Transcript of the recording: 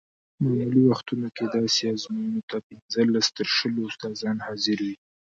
معمولي وختونو کې داسې ازموینو ته پنځلس تر شلو استادان حاضر وي.